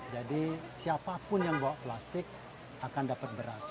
jadi siapapun yang bawa plastik akan dapat beras